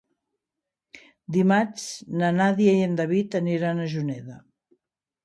Dimarts na Nàdia i en David aniran a Juneda.